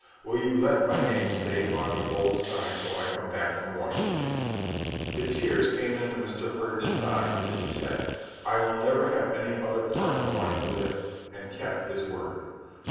Will you let my name stay on the old sign till I come back from Washington?" The tears came into Mr. Herndon's eyes, as he said, "I will never have any other partner while you live," and he kept his word.